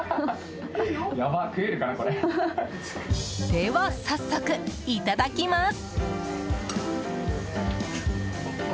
では早速、いただきます！